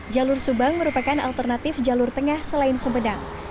jalur subang merupakan alternatif jalur tengah selain sumedang